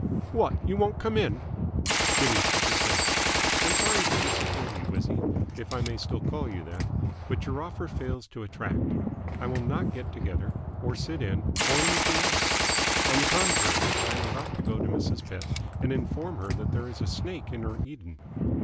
"What? You won't come in?" Jimmy shook his head. "I'm sorry to disappoint you, Wizzy, if I may still call you that, but your offer fails to attract. I will not get together or sit in or anything else. On the contrary, I am about to go to Mrs. Pett and inform her that there is a snake in her Eden."